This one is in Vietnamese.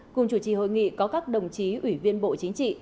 cùng chủ trì hội nghị có các đồng chí ủy viên bộ chính trị